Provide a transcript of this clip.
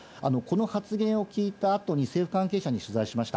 この発言を聞いたあとに政府関係者に取材しました。